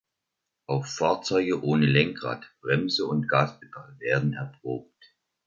Auch Fahrzeuge ohne Lenkrad, Bremse und Gaspedal werden erprobt.